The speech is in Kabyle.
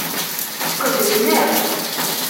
Qeblen akk.